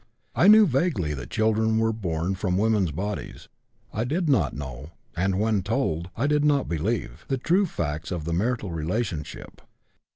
I knew vaguely that children were born from women's bodies; I did not know and when told I did not believe the true facts of the marital relationship.